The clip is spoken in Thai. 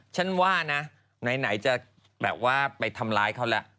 ฉันว่านะไหนจะแบบว่าไปทำร้ายเขาแล้ว